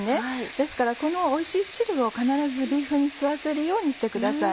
ですからこのおいしい汁を必ずビーフンに吸わせるようにしてください。